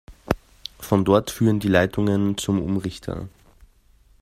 Von dort führen die Leitungen zum Umrichter.